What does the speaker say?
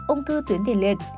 ung thư tuyến tiền liệt